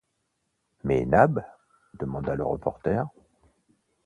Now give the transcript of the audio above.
Mais Nab ? demanda le reporter.